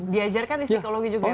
diajarkan di psikologi juga